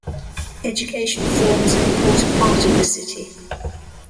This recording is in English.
Education forms an important part of the city.